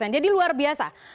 jadi luar biasa